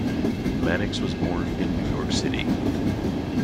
Mannix was born in New York City.